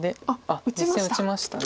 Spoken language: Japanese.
あっ実戦打ちました。